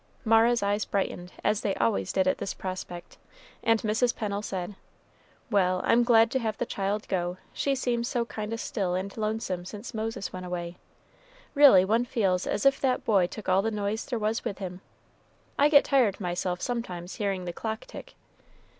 Mara's eyes brightened, as they always did at this prospect, and Mrs. Pennel said, "Well, I'm glad to have the child go; she seems so kind o' still and lonesome since Moses went away; really one feels as if that boy took all the noise there was with him. I get tired myself sometimes hearing the clock tick.